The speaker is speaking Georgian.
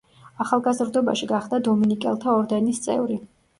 ახალგაზრდობაში გახდა დომინიკელთა ორდენის წევრი.